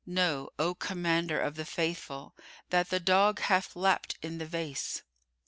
Know, O Commander of the Faithful, that the dog hath lapped in the vase."